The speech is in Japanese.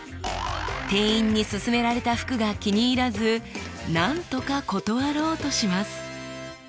店員にすすめられた服が気に入らずなんとか断ろうとします。